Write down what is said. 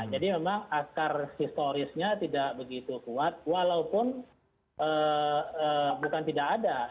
jadi memang akar historisnya tidak begitu kuat walaupun bukan tidak ada